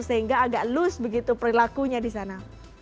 sehingga agak loose begitu perilakunya di sana